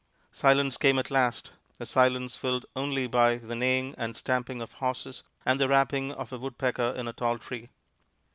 Silence came at last a silence filled only by the neighing and stamping of horses and the rapping of a woodpecker in a tall tree.